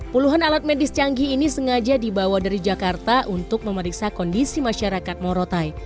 puluhan alat medis canggih ini sengaja dibawa dari jakarta untuk memeriksa kondisi masyarakat morotai